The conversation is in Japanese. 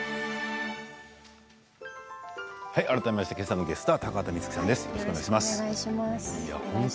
改めましてけさのゲストは高畑充希さんです。